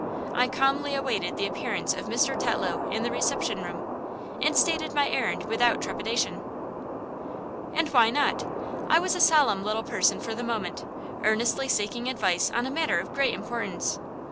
I calmly awaited the appearance of Mr. Tetlow in the reception room, and stated my errand without trepidation. And why not? I was a solemn little person for the moment, earnestly seeking advice on a matter of great importance.